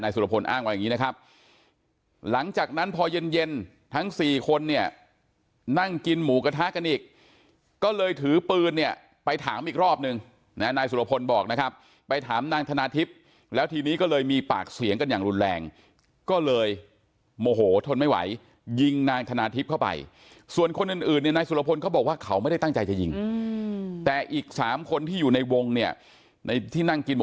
สุรพลเนี่ยนั่งกินหมูกระทะกันอีกก็เลยถือปืนเนี่ยไปถามอีกรอบหนึ่งน่ะนายสุรพลบอกนะครับไปถามนางธนาทิพย์แล้วทีนี้ก็เลยมีปากเสียงกันอย่างรุนแรงก็เลยโมโหทนไม่ไหวยิงนางธนาทิพย์เข้าไปส่วนคนอื่นอื่นนี่นายสุรพลเขาบอกว่าเขาไม่ได้ตั้งใจจะยิงอืมแต่อีกสามคนที่อยู่ในวงเนี่ยในที่นั่งกินหมู